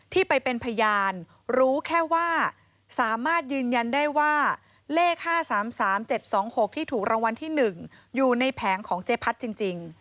ที่ไปเป็นพยานรู้แค่ว่าสามารถยืนยันได้ว่าเลข๕๓๓๗๒๖ที่ถูกรางวัลที่๑อยู่ในแผงของเจ๊พัดจริง